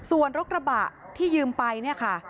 ส่วนรถกระบะที่ยืมไปเนี่ยค่ะ